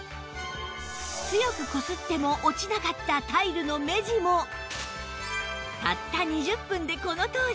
強くこすっても落ちなかったタイルの目地もたった２０分でこのとおり！